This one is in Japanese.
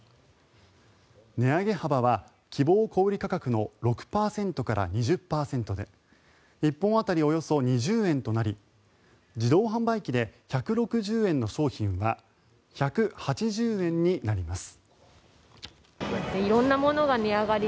値上げ幅は希望小売価格の６％から２０％で１本当たりおよそ２０円となり自動販売機で１６０円の商品は１８０円になります。